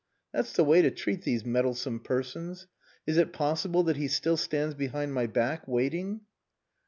That's the way to treat these meddlesome persons. Is it possible that he still stands behind my back, waiting?"